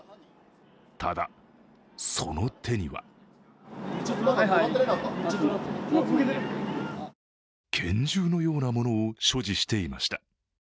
ただ、その手には拳銃のようなものを所持していました。